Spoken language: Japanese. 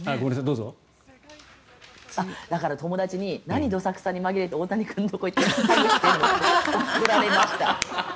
友達に、何どさくさに紛れて大谷君のところに行ってるのって怒られました。